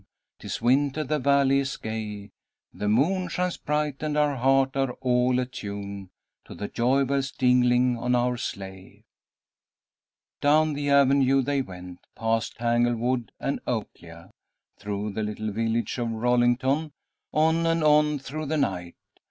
'Tis winter, the Valley is gay. The moon shines bright and our hearts are all atune, To the joy bells jingling on our sleigh." Down the avenue they went, past Tanglewood and Oaklea, through the little village of Rollington, on and on through the night.